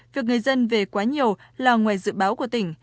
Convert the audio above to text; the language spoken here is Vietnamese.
việc người dân về quá nhiều là ngoài dự báo của tỉnh